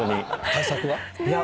対策は？